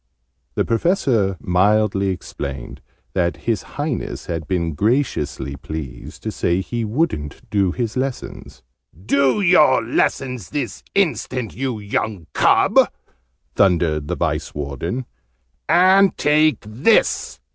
The Professor mildly explained that His Highness had been graciously pleased to say he wouldn't do his lessons. "Do your lessons this instant, you young cub!" thundered the Vice Warden. "And take this!"